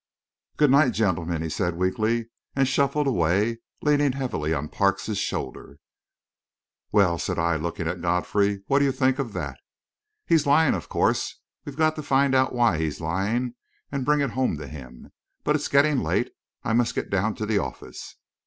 "Good night, gentlemen," he said weakly, and shuffled away, leaning heavily on Parks's shoulder. "Well!" said I, looking at Godfrey. "What do you think of that?" "He's lying, of course. We've got to find out why he's lying and bring it home to him. But it's getting late I must get down to the office.